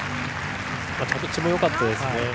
着地もよかったですね。